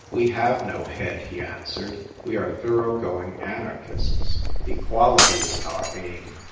"We have no head," he answered. " We are thorough going anarchists. Equality is our aim.